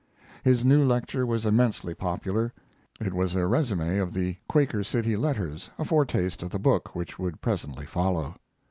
His new lecture was immensely popular. It was a resume of the 'Quaker City' letters a foretaste of the book which would presently follow.